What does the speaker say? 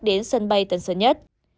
đến sân bay tân dân nhất